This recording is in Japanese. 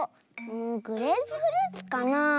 グレープフルーツかな？